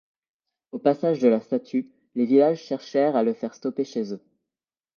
Au passage de la statue, les villages cherchèrent à le faire stopper chez eux.